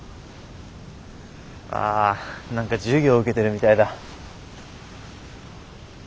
あ何か授業受けてるみたいだ。